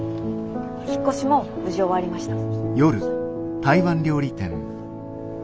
引っ越しも無事終わりました。